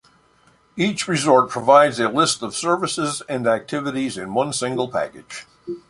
Each resort provides a list of services and activities in one single package.